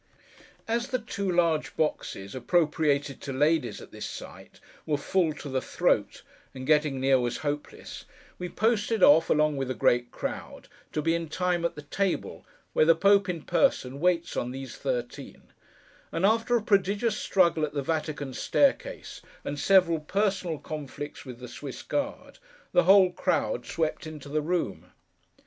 As the two large boxes, appropriated to ladies at this sight, were full to the throat, and getting near was hopeless, we posted off, along with a great crowd, to be in time at the Table, where the Pope, in person, waits on these Thirteen; and after a prodigious struggle at the Vatican staircase, and several personal conflicts with the Swiss guard, the whole crowd swept into the room.